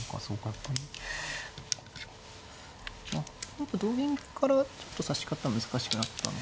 本譜同銀からちょっと指し方難しくなった。